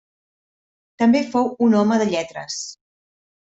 També fou un home de lletres.